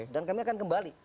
dan kami akan kembali